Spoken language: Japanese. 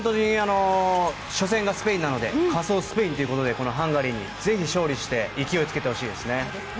初戦がスペインなので仮想スペインということでこのハンガリーにぜひ勝利して勢いをつけてほしいですね。